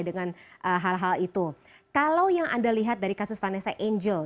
dengan hal hal itu kalau yang anda lihat dari kasus vanessa angel